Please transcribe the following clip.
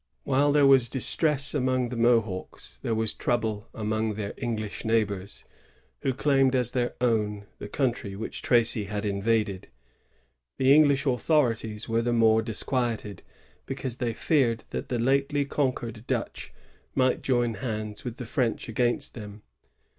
While there was distress among the Mohawks, there was trouble among their English neighbors, who claimed as their own the country which Tracy had invaded. The English authorities were the more disquieted, because they feared that the lately conquered Dutch might join hands with the French ^ Ad9 de orim de postession^ 17 Oct,, 1666. 260 THE MOHAWKS CHASTISED. [1666. against them.